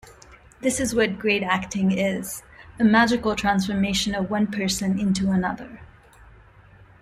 This is what great acting is, a magical transformation of one person into another.